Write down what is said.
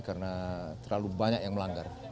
karena terlalu banyak yang melanggar